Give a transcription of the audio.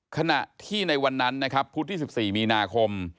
ขณะที่ในวันนั้นพูดที่๑๔มีนาคม